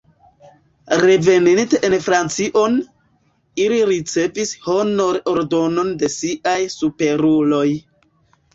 Reveninte en Francion, ili ricevis honor-ordenon de siaj superuloj.